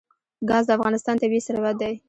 ګاز د افغانستان طبعي ثروت دی.